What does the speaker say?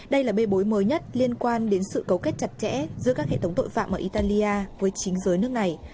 đây là bê bối mới nhất liên quan đến sự cấu kết chặt chẽ giữa các hệ thống tội phạm ở italia với chính giới nước này